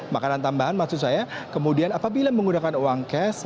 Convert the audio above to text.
makanan tambahan maksud saya kemudian apabila menggunakan uang cash